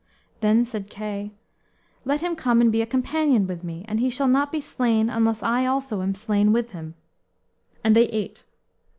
Then said Kay, "Let him come and be a companion with me, and he shall not be slain unless I also am slain with him." And they ate.